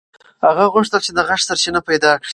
هغه غوښتل چې د غږ سرچینه پیدا کړي.